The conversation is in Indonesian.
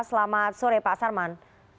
selamat sore pak sarman